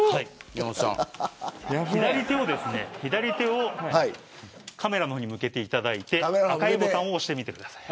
左手をカメラの方に向けていただいて赤いボタンを押してみてください。